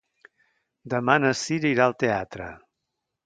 Demà na Cira irà al teatre.